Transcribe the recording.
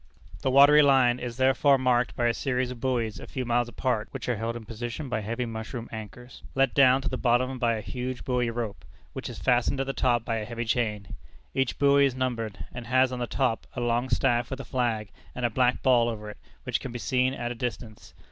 The watery line is therefore marked by a series of buoys a few miles apart, which are held in position by heavy mushroom anchors, let down to the bottom by a huge buoy rope, which is fastened at the top by a heavy chain. Each buoy is numbered, and has on the top a long staff with a flag, and a black ball over it, which can be seen at a distance.